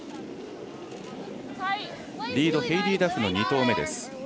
リード、ヘイリー・ダフの２投目です。